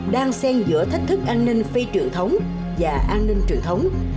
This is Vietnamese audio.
đang xen giữa thách thức an ninh phi trưởng thống và an ninh trưởng thống